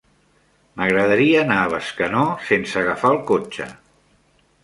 M'agradaria anar a Bescanó sense agafar el cotxe.